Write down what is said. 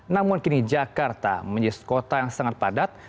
namun kini jakarta menjadi kota yang sangat padat